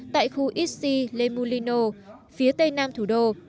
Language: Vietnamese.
tại khu issy le moulinot phía tây nam thủ đô